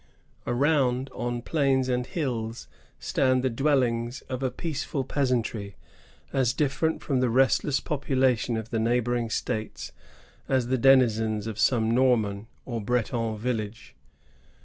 Around on plains and hills stand the dwellings of a peaceful peasantry, as different from the restless population of the neighboring States as the denizens of some Norman or Breton village.